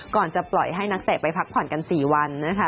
ก่อนจะปล่อยให้นักเตะไปพักผ่อนกัน๔วันนะคะ